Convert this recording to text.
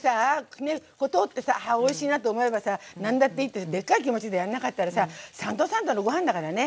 ここ通ってさはあおいしいなって思えばさ何だっていいっていうでっかい気持ちでやんなかったらさ三度三度のご飯だからね。